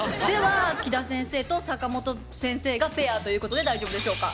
ではキダ先生と坂本先生がペアということで大丈夫でしょうか。